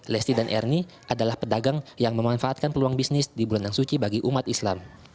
lesti dan ernie adalah pedagang yang memanfaatkan peluang bisnis di bulanan suci bagi umat islam